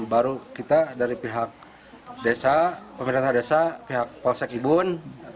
baru kita dari pihak desa pemerintah desa pihak polsek ibun